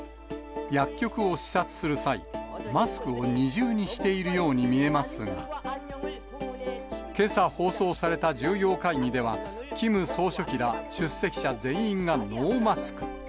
薬局を視察する際、マスクを二重にしているように見えますが、けさ放送された重要会議では、キム総書記ら、出席者全員がノーマスク。